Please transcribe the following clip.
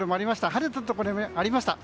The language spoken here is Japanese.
晴れたところもありました。